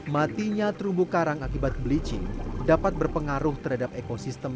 matinya terumbu karang akibat bleaching dapat berpengaruh terhadap ekosistem